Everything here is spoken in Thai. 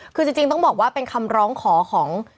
คือจริงต้องบอกว่าเป็นคำร้องขอของ